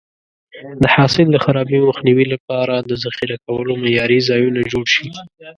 د حاصل د خرابي مخنیوي لپاره د ذخیره کولو معیاري ځایونه جوړ شي.